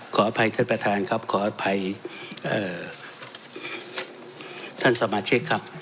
ขออภัยท่านประธานครับขออภัยท่านสมาชิกครับ